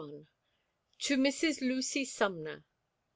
TO MRS. LUCY SUMNER.